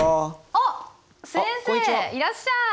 あっ先生いらっしゃい！